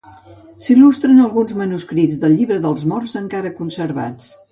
S'il·lustren alguns manuscrits del Llibre dels Morts encara conservats.